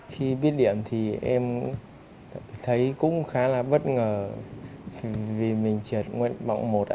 khi biết điểm thì em thấy cũng khá là bất ngờ vì mình trượt nguyện vọng một ạ